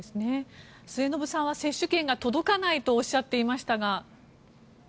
末延さんは接種券が届かないとおっしゃっていましたが。